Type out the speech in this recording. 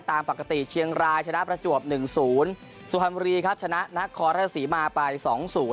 ตามปกติเชียงรายชนะประจวบหนึ่งศูนย์สุธรรมดีครับชนะนักคอร์ทัศน์ศรีมาไปสองศูนย์